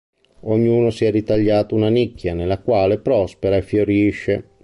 Ognuno si è ritagliato una nicchia nella quale prospera e fiorisce.